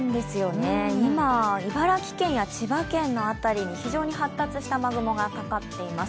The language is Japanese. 今、茨城県や千葉県の辺りに非常に発達した雨雲がかかっています。